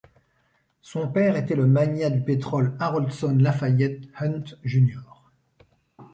Son père était le magnat du pétrole Haroldson Lafayette Hunt, Jr..